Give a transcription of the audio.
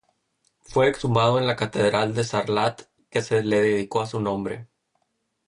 Fue exhumado en la Catedral de Sarlat, que se le dedicó en su nombre.